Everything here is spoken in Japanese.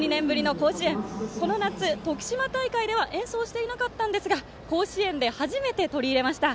この夏、徳島大会では演奏していなかったんですが甲子園で初めて取り入れました。